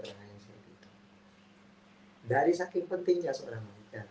ini itu daerah yang baik hai ada yang terakhir dari saking pentingnya seorang